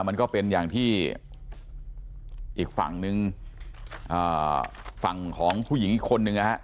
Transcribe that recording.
มันก็เป็นอย่างที่อีกฝั่งนึงฝั่งของผู้หญิงอีกคนนึงนะฮะ